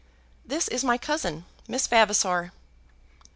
This is my cousin, Miss Vavasor."